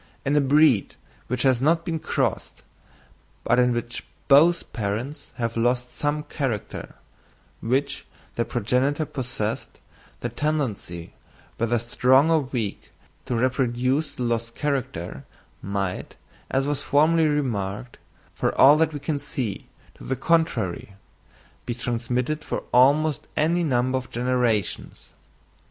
In a breed which has not been crossed, but in which both parents have lost some character which their progenitor possessed, the tendency, whether strong or weak, to reproduce the lost character might, as was formerly remarked, for all that we can see to the contrary, be transmitted for almost any number of generations.